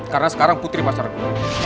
karena sekarang putri pacarku